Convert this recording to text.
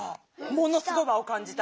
ものすごく和を感じた。